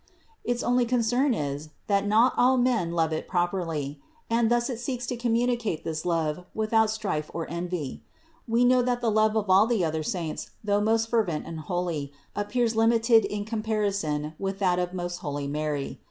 Its only concern is that not all men love it properly; and thus it seeks to communicate this love without strife or envy. We know that the love of all the other saints, though most fervent and holy, appears limited in comparison with that of most holy Man*.